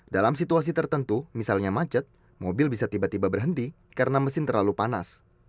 dalam situasi tertentu misalnya macet mobil bisa tiba tiba berhenti karena mesin terlalu panas